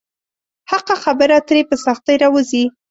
حقه خبره ترې په سختۍ راووځي.